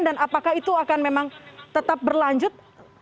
dan apakah itu akan memang tetap berlanjut